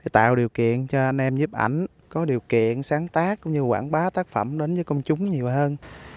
tạo điều kiện cho anh em nhiếp ảnh có điều kiện sáng tác cũng như quảng bá tác phẩm đến với công chúng nhiều hơn